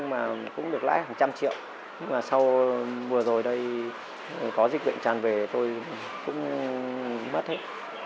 nhưng mà sau vừa rồi đây có dịch bệnh tràn về tôi cũng mất hết